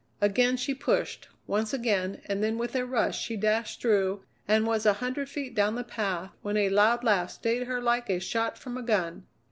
Again she pushed, once again, and then with a rush she dashed through and was a hundred feet down the path when a loud laugh stayed her like a shot from a gun.